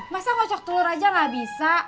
masa kocok telur aja gak bisa